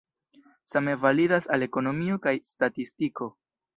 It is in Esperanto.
Same validas al ekonomio kaj statistiko.